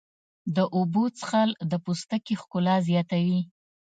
د اوبو څښل د پوستکي ښکلا زیاتوي.